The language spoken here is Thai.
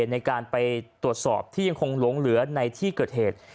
ในการไปตรวจสอบที่ยังคงหลงเหลือในที่เกิดเหตุ